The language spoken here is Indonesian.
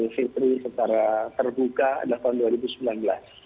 fitri secara terbuka adalah tahun dua ribu sembilan belas